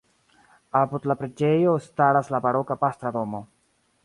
Apud la preĝejo staras la baroka pastra domo.